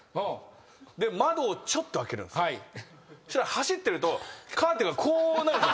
走ってるとカーテンがこうなるんですよ